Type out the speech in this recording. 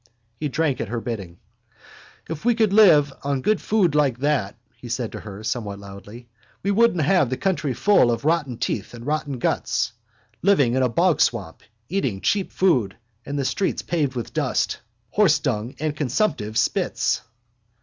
He drank at her bidding. —If we could live on good food like that, he said to her somewhat loudly, we wouldn't have the country full of rotten teeth and rotten guts. Living in a bogswamp, eating cheap food and the streets paved with dust, horsedung and consumptives' spits.